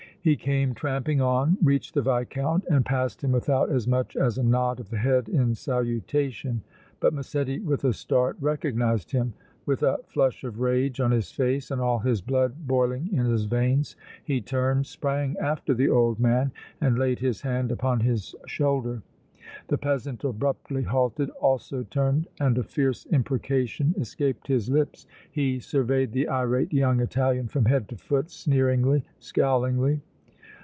He came tramping on, reached the Viscount and passed him without as much as a nod of the head in salutation. But Massetti with a start recognized him. With a flush of rage on his face and all his blood boiling in his veins, he turned, sprang after the old man and laid his hand upon his shoulder. The peasant abruptly halted, also turned, and a fierce imprecation escaped his lips. He surveyed the irate young Italian from head to foot, sneeringly, scowlingly.